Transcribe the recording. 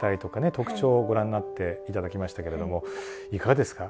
特徴をご覧になっていただきましたけれどもいかがですか？